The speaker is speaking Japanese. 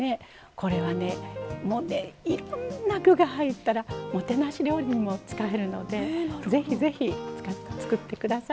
これはね、いろんな具が入ったらもてなし料理にも使えるのでぜひぜひ、作ってください。